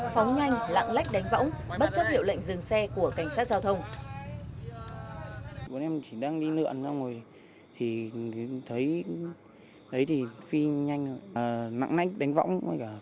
phóng nhanh lạng lách đánh võng bất chấp hiệu lệnh dừng xe của cảnh sát giao thông